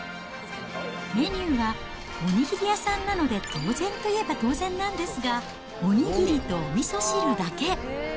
メニューは、お握り屋さんなので当然といえば当然なんですが、お握りとおみそ汁だけ。